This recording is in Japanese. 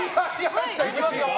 いきますよ。